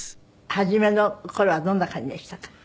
初めの頃はどんな感じでしたか？